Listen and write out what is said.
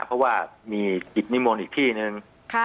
เพราะว่ามีกิจนิมนต์อีกที่หนึ่ง